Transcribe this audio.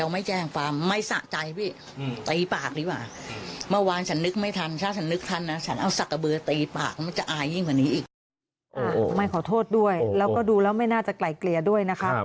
ไม่ขอโทษด้วยแล้วก็ดูแล้วไม่น่าจะไกลเกลียด้วยนะคะ